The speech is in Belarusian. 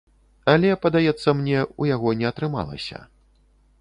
Але, падаецца мне, у яго не атрымалася.